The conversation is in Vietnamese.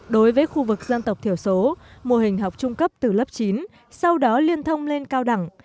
đối với khu vực dân tộc thiểu số mô hình học trung cấp từ lớp chín sau đó liên thông lên cao đẳng